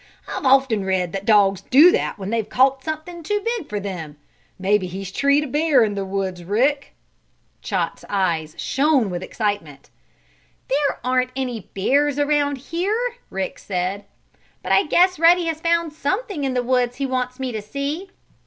"I've often read that dogs do that when they've caught something too big for them. Maybe he's treed a bear in the woods, Rick!" Chot's eyes shone with excitement. "There aren't any bears around here," Rick said. "But I guess Ruddy has found something in the woods he wants me to see."